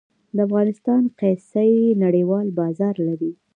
د افغانستان قیسی نړیوال بازار لري